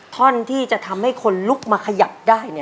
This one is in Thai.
ท่อนที่จะทำให้คนลุกมาขยับได้